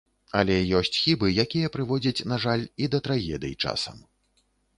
Але ёсць хібы, якія прыводзяць, на жаль, і да трагедый часам.